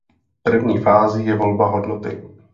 První fází je volba hodnoty.